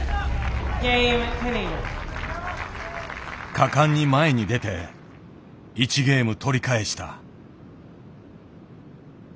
果敢に前に出て１ゲーム取り返した。